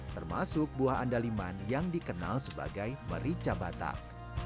termasuk buah andaliman yang dikenal sebagai merica batak